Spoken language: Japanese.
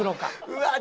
うわっ！